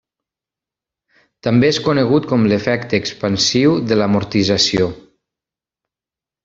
També és conegut com l'efecte expansiu de l'amortització.